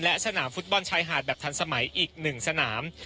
และสนามฟุตบอลชายหาดแบบทันสมัยอีก๑สนาม